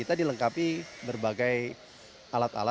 dibawa ditembaki dari ke arah kota australia